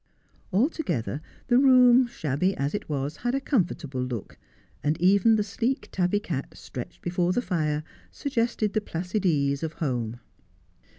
Altogether the room, shabby as it was, had a comfort able look, and even the sleek tabby cat stretched before the fire suggested the placid ease of home.